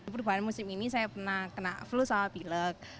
perubahan musim ini saya pernah kena flu sama pilek